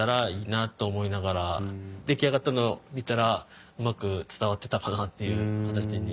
出来上がったのを見たらうまく伝わってたかなっていう形に。